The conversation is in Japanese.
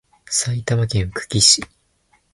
埼玉県久喜市